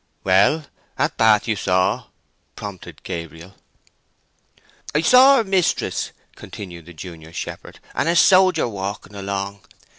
"Well, at Bath you saw—" prompted Gabriel. "I saw our mistress," continued the junior shepherd, "and a sojer, walking along.